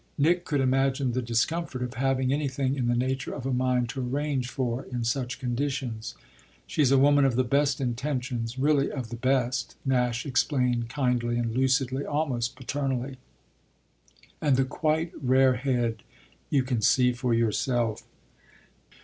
Nick could imagine the discomfort of having anything in the nature of a mind to arrange for in such conditions. "She's a woman of the best intentions, really of the best," Nash explained kindly and lucidly, almost paternally, "and the quite rare head you can see for yourself."